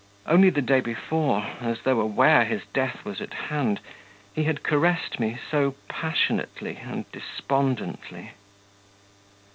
Only the day before, as though aware his death was at hand, he had caressed me so passionately and despondently.